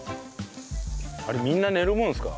あれみんな寝るもんですか？